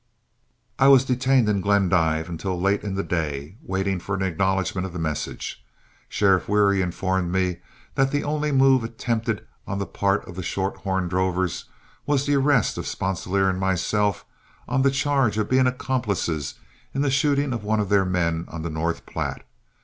I was detained in Glendive until late in the day, waiting for an acknowledgment of the message. Sheriff Wherry informed me that the only move attempted on the part of the shorthorn drovers was the arrest of Sponsilier and myself, on the charge of being accomplices in the shooting of one of their men on the North Platte.